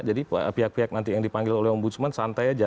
jadi pihak pihak nanti yang dipanggil oleh ombudsman santai aja